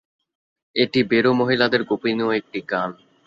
এটি বোরো মহিলাদের গোপনীয় একটি গান।